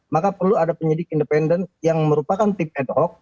maka perlu ada penyidik independen yang merupakan tim ad hoc